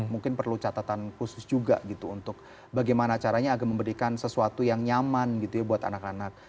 mungkin perlu catatan khusus juga gitu untuk bagaimana caranya agar memberikan sesuatu yang nyaman gitu ya buat anak anak